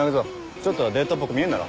ちょっとはデートっぽく見えんだろ。